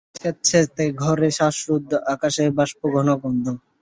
স্যাঁতসেতে ঘরে শ্বাসরুদ্ধ আকাশের বাষ্পঘন গন্ধ।